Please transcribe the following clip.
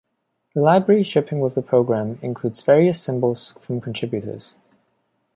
The library shipping with the program includes various symbols from contributors.